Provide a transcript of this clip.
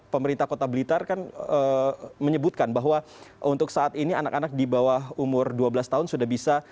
pemerintah kota blitar kan menyebutkan bahwa untuk saat ini anak anak di bawah umur dua belas tahun sudah bisa